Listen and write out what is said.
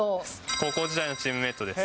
高校時代のチームメートです。